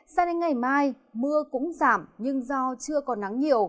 sao đến ngày mai mưa cũng giảm nhưng do chưa có nắng nhiều